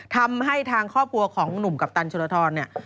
ทำให้ทางครอบครัวของหนุ่มกัปตันชุลทรเนี่ย